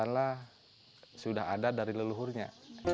adalah sudah ada dari leluhurnya